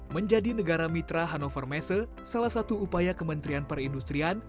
menjadi negara mitra hannover messe salah satu upaya kementerian perindustrian